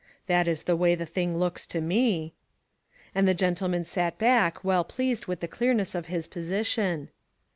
That is the way the thing looks to me." And the gentleman sat back, well pleased with the clearness of his position.